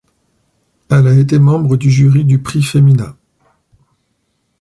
Elle a été membre du jury du Prix Fémina.